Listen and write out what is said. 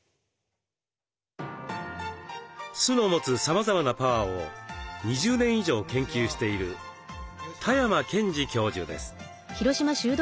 酢の持つさまざまなパワーを２０年以上研究している多山賢二教授です。